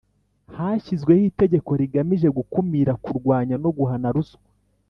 hashyizweho itegeko rigamije gukumira, kurwanya no guhana ruswa